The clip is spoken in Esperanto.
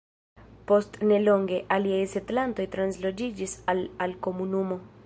Post ne longe, aliaj setlantoj transloĝiĝis al al komunumo.